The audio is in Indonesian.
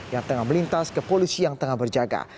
yang tengah melintas ke polisi yang tengah berjaga